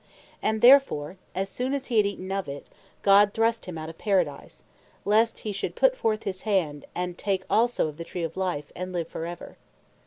And therefore as soon as he had eaten of it, God thrust him out of Paradise, "lest he should put forth his hand, and take also of the tree of life, and live for ever."